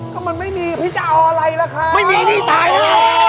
ก็มันไม่มีพี่จ้าวอะไรแหละคะโอ้โฮไม่มีนี่ตายแล้ว